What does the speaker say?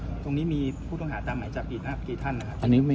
มองว่าเป็นการสกัดท่านหรือเปล่าครับเพราะว่าท่านก็อยู่ในตำแหน่งรองพอด้วยในช่วงนี้นะครับ